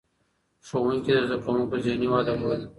ښوونکي د زده کوونکو ذهني وده ګوري.